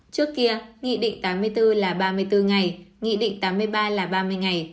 trước kia nghị định tám mươi bốn là ba mươi bốn ngày nghị định tám mươi ba là ba mươi ngày